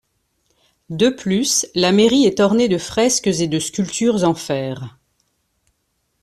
De plus, la mairie est ornée de fresques et de sculptures en fer.